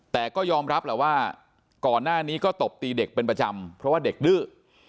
แต่ก็ยอมรับแหละว่าก่อนหน้านี้ก็ตบตีเด็กเป็นประจำเพราะว่าเด็กดื้อ